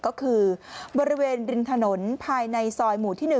ก็คือบริเวณริมถนนภายในซอยหมู่ที่๑